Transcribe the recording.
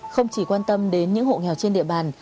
không chỉ quan tâm đến những hộ nghèo trên địa bàn